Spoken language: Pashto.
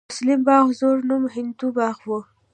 مسلم باغ زوړ نوم هندو باغ و